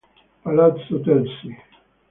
Palazzo Terzi